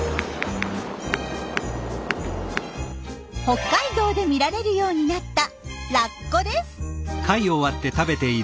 北海道で見られるようになったラッコです。